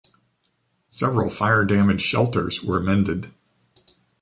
Several fire-damaged shelters were mended.